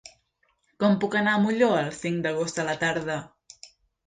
Com puc anar a Molló el cinc d'agost a la tarda?